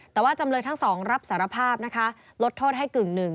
แต่ว่าจำเลยทั้งสองรับสารภาพนะคะลดโทษให้กึ่งหนึ่ง